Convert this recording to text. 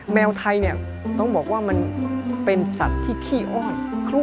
แมวไทยเนี่ยต้องบอกว่ามันเป็นสัตว์ที่ขี้อ้อน